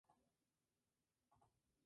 Desde su juventud militó en el justicialismo.